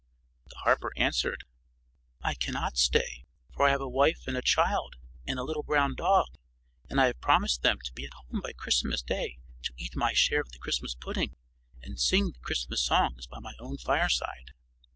But the harper answered, "I cannot stay, for I have a wife and a child and a little brown dog; and I have promised them to be at home by Christmas day to eat my share of the Christmas pudding and sing the Christmas songs by my own fireside."